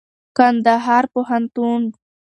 کنــدهـــار پوهنـتــون